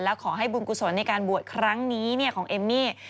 และขอให้บุญกุศลในการบวชครั้งนี้ของเอมมี่